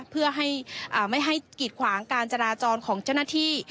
เพื่อไม่ให้กิดขวางการจราจรของเจ้าหน้าที่